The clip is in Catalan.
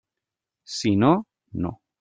Si no, no.